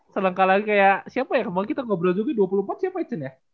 selangkah lagi kayak siapa ya kemarin kita ngobrol juga dua puluh empat siapa ya